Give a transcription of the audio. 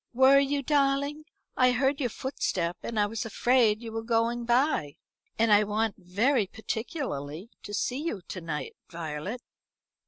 "Were you, darling? I heard your footstep, and I was afraid you were going by. And I want very particularly to see you to night, Violet."